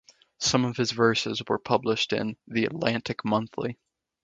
Some of his verses were published in "The Atlantic Monthly".